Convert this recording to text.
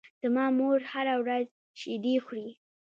زما مور هره ورځ شیدې خوري.